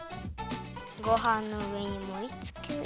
ごはんのうえにもりつける。